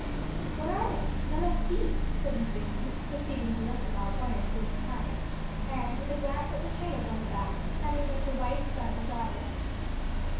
"What are they? let us see," said Mr. Keith proceeding to lift them out one or two at a time, and with a glance at the titles on the backs, handing them to wife, son or daughter.